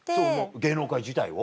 芸能界自体を？